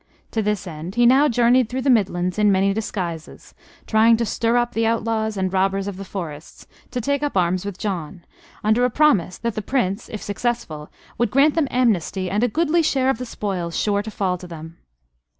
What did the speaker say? To this end he now journeyed through the Midlands in many disguises, trying to stir up the outlaws and robbers of the forests to take up arms with John, under a promise that the Prince (if successful) would grant them amnesty and a goodly share of the spoils sure to fall to them.